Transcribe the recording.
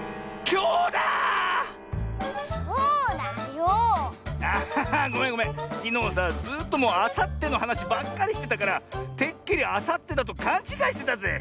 きのうさずっともうあさってのはなしばっかりしてたからてっきりあさってだとかんちがいしてたぜ。